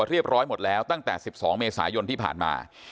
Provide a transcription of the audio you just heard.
เรียบร้อยหมดแล้วตั้งแต่๑๒เมษายนที่ผ่านมา